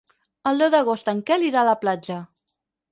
El deu d'agost en Quel irà a la platja.